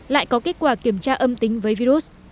lại có kết quả kiểm tra âm tính với virus